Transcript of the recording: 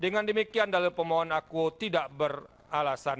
dengan demikian dalil pemohon akuo tidak beralasan